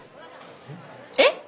えっ！？